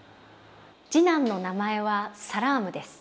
次男の名前はサラームです。